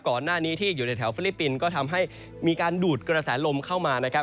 ก่อนหน้านี้ที่อยู่ในแถวฟิลิปปินส์ก็ทำให้มีการดูดกระแสลมเข้ามานะครับ